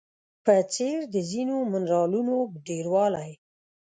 په څېر د ځینو منرالونو ډیروالی